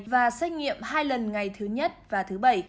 và xét nghiệm hai lần ngày thứ nhất và thứ bảy